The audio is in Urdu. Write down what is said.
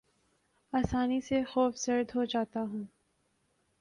آسانی سے خوف زدہ ہو جاتا ہوں